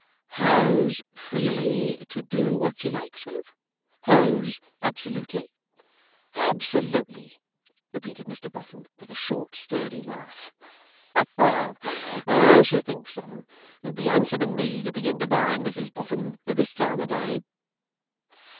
'Hers freely, to do what she likes with? Hers absolutely?' 'Absolutely?' repeated Mr Boffin, with a short sturdy laugh. 'Hah! I should think so! It would be handsome in me to begin to bind Mrs Boffin at this time of day!